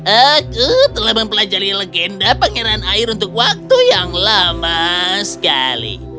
aku telah mempelajari legenda pangeran air untuk waktu yang lama sekali